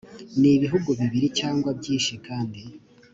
n ibihugu bibiri cyangwa byinshi kandi